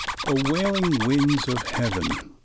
O wailing winds of heaven!